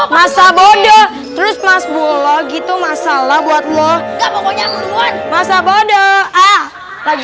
masa bodoh terus mas bola gitu masalah buat lu masa bodoh ah lagi